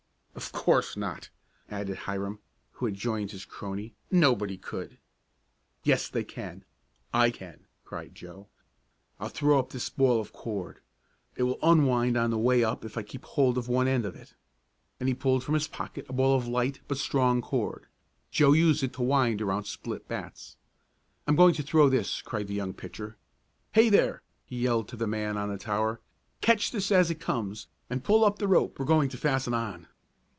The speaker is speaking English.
"Of course not!" added Hiram, who had joined his crony. "Nobody could." "Yes they can I can!" cried Joe. "I'll throw up this ball of cord. It will unwind on the way up if I keep hold of one end of it," and he pulled from his pocket a ball of light but strong cord. Joe used it to wind around split bats. "I'm going to throw this," cried the young pitcher. "Hey there!" he yelled to the man on the tower. "Catch this as it comes, and pull up the rope we're going to fasten on!"